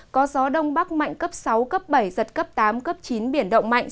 có gió đông bắc mạnh cấp sáu cấp bảy giật cấp tám cấp chín biển động mạnh